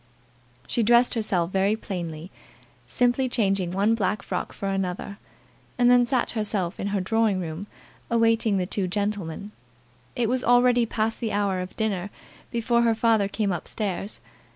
She dressed herself very plainly, simply changing one black frock for another, and then sat herself in her drawing room awaiting the two gentlemen. It was already past the hour of dinner before her father came up stairs.